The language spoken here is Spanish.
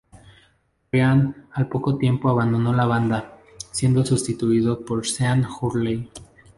Ryan al poco tiempo abandonó la banda, siendo sustituido por Sean Hurley.